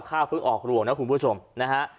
ข้าวเพิ่งออกรวงนะคุณผู้ชมนะฮะ